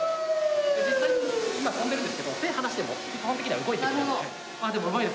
実際に今飛んでるんですけど手離しても基本的には動いてくれるので。